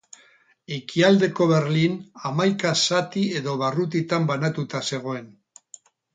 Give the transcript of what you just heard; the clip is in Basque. Ekialdeko Berlin hamaika zati edo barrutitan banatuta zegoen.